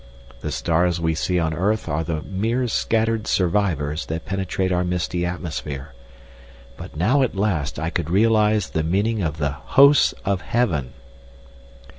The stars we see on earth are the mere scattered survivors that penetrate our misty atmosphere. But now at last I could realise the meaning of the hosts of heaven!